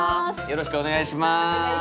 よろしくお願いします！